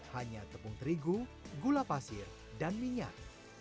hanya tepung terigu gula pasir dan minyak